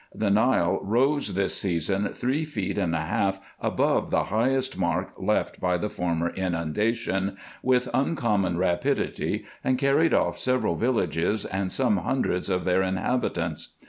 The Nile rose this season three feet and a half above the highest mark left by the former inundation, with uncommon rapidity, and carried off several villages and some hundreds of their inhabitants.